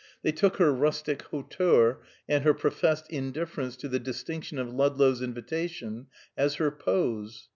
They took her rustic hauteur and her professed indifference to the distinction of Ludlow's invitation, as her pose.